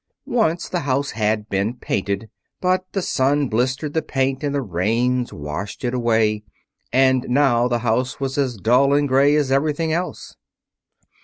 Once the house had been painted, but the sun blistered the paint and the rains washed it away, and now the house was as dull and gray as everything else.